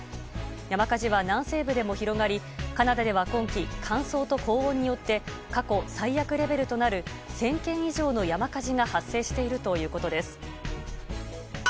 山火事は南西部でも広がりカナダでは今季乾燥と高温によって過去最悪レベルとなる１０００件以上の山火事が発生しているということです。